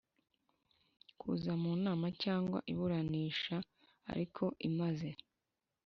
Kuza mu nama cyangwa iburanisha ariko imaze